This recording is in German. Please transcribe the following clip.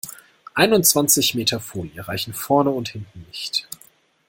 Einundzwanzig Meter Folie reichen vorne und hinten nicht.